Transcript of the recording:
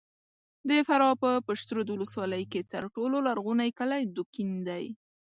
د فراه په پشترود ولسوالۍ کې تر ټولو لرغونی کلی دوکین دی!